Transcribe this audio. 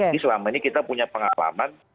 jadi selama ini kita punya pengalaman